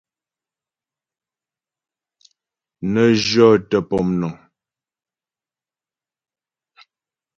Nə jyɔ́tə pɔmnəŋ.